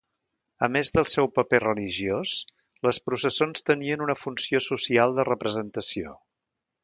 A més del seu paper religiós, les processons tenien una funció social de representació.